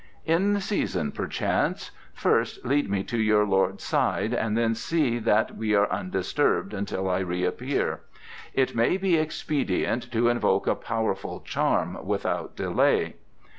"In season perchance. First lead me to your lord's side and then see that we are undisturbed until I reappear. It may be expedient to invoke a powerful charm without delay."